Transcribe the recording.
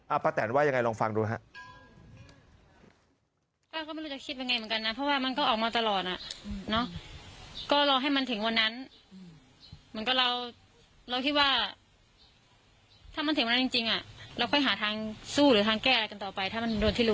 อ้าวป้าแตนว่ายังไงลองฟังดูนะครับ